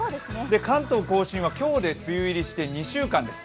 関東甲信は今日で梅雨入りして２週間です。